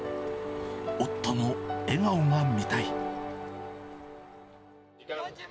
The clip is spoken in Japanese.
夫の笑顔が見たい。